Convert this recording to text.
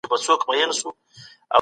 د صنعتي تولیداتو مالکانو ګټه کوله.